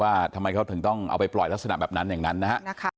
ว่าทำไมเขาถึงต้องเอาไปปล่อยลักษณะแบบนั้นอย่างนั้นนะฮะ